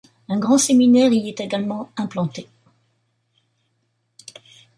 Un grand séminaire y est également implanté.